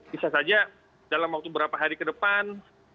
bisa saja dalam waktu beberapa hari ke depan